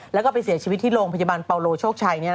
แล้วก็ไปเสียชีวิตที่โรงพยาบาลเปาโลโชคชัย